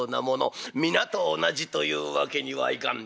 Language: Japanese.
皆と同じというわけにはいかん。